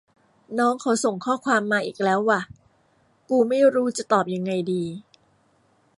น้องเขาส่งข้อความมาอีกแล้วว่ะ กูไม่รู้จะตอบยังไงดี